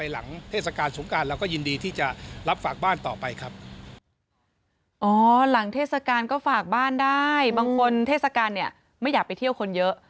หลังเทศกาลก็ฝากบ้านได้บางคนเทศกาลเนี่ยไม่อยากไปเที่ยวคนเยอะ